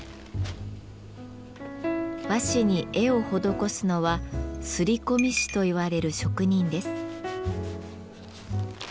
和紙に絵を施すのは摺込師といわれる職人です。